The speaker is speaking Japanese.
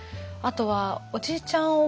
あとはおじいちゃん